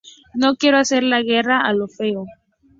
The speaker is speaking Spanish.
No quiero hacer la guerra a lo feo.